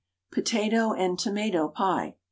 POTATO AND TOMATO PIE.